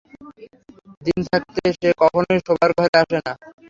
দিন থাকতে সে কখনোই শোবার ঘরে আসে না।